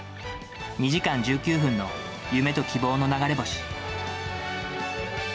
２時間１９分の夢と希望の流れ星。